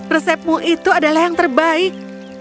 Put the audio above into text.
resepmu itu adalah yang terbaik